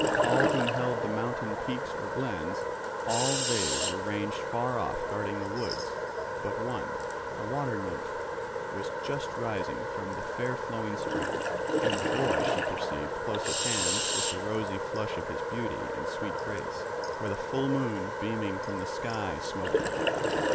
All who held the mountain peaks or glens, all they were ranged far off guarding the woods; but one, a water nymph was just rising from the fair flowing spring; and the boy she perceived close at hand with the rosy flush of his beauty and sweet grace. For the full moon beaming from the sky smote him.